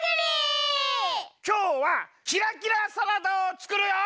きょうはキラキラサラダをつくるよ！